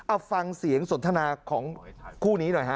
เอาฟังเสียงสนทนาของคู่นี้หน่อยฮะ